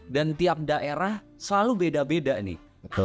tiap daerah selalu beda beda nih